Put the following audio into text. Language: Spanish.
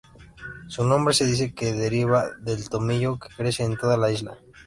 Su nombre se dice que deriva del Tomillo que crece en toda la isla.